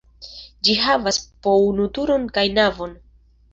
Ĝi havas po unu turon kaj navon.